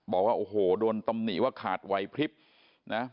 บอกว่าโอ้โหโดนตำหนิว่าขาดวัยพริบนะ